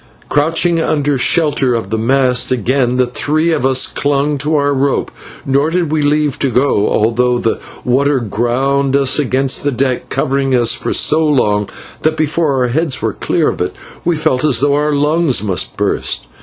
Crouching under shelter of the mast, again the three of us clung to our ropes, nor did we leave go although the water ground us against the deck, covering us for so long that before our heads were clear of it we felt as though our lungs must burst.